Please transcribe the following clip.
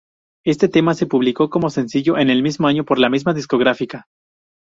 Este tema se publicó como sencillo en el mismo año por la misma discográfica.